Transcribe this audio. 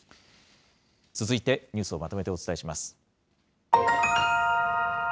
続いてニュースをまとめてお伝えします。